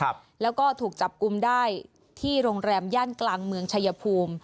ครับแล้วก็ถูกจับกุมได้ที่โรงแรมย่านกลางเมืองชายภูมิ